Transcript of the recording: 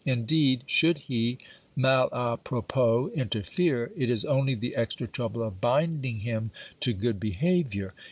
Indeed, should he, mal a propos, interfere, it is only the extra trouble of binding him to good behaviour.